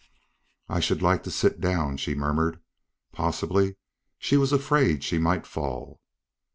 "I should like to sit down," she murmured. Possibly she was afraid she might fall.